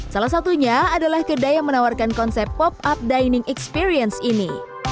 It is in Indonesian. salah satunya adalah kedai yang menawarkan konsep pop up dining experience ini